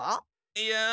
いや。